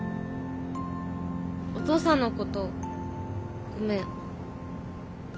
お父さんのことごめん。